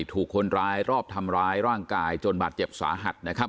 ถูกคนร้ายรอบทำร้ายร่างกายจนบาดเจ็บสาหัสนะครับ